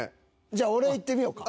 じゃあ俺いってみようか。